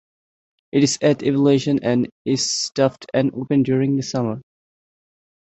It is at elevation and is staffed and open during the summer.